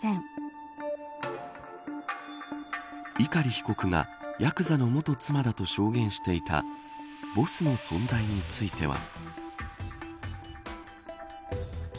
碇被告がヤクザの元妻だと証言していたボスの存在については。